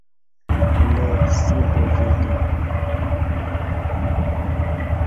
Ne, simple vidi.